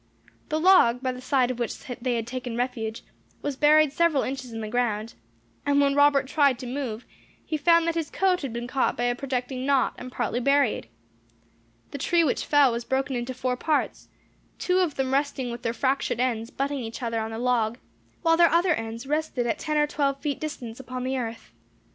The log by the side of which they had taken refuge, was buried several inches in the ground; and when Robert tried to move, he found that his coat had been caught by a projecting knot, and partly buried. The tree which fell was broken into four parts; two of them resting with their fractured ends butting each other on the log, while their other ends rested at ten or twelve feet distance upon the earth.